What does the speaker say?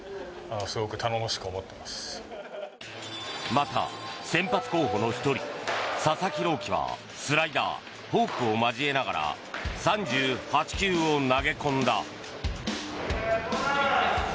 また、先発候補の１人佐々木朗希は、スライダーフォークを交えながら３８球を投げ込んだ。